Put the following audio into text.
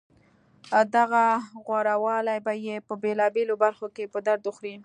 دغه غورهوالی به یې په بېلابېلو برخو کې په درد وخوري